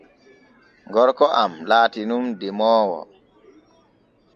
Gorko am laati nun demoowo.